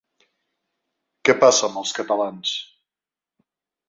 Què passa amb els catalans?